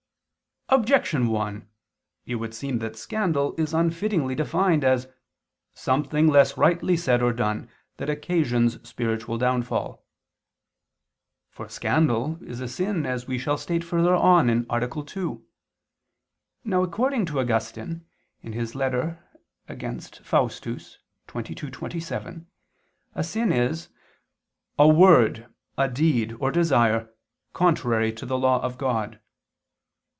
Objection 1: It would seem that scandal is unfittingly defined as "something less rightly said or done that occasions spiritual downfall." For scandal is a sin as we shall state further on (A. 2). Now, according to Augustine (Contra Faust. xxii, 27), a sin is a "word, deed, or desire contrary to the law of God."